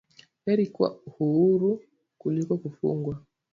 Heri kuwa huuru kuliko kufungwa